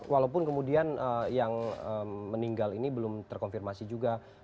walaupun kemudian yang meninggal ini belum terkonfirmasi juga